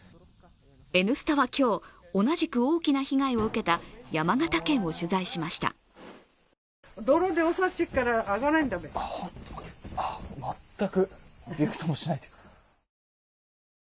「Ｎスタ」は今日、同じく大きな被害を受けた山形県を取材しました。